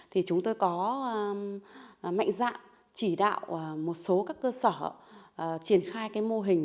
thì chúng tôi có mạnh dạng chỉ đạo một số các cơ sở triển khai mô hình